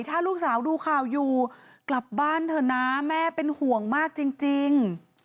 ถ้าลูกสาวดูข่าวอยู่กลับบ้านเถอะนะแม่เป็นห่วงมากจริง